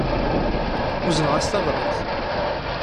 Uzneɣ-as tabrat.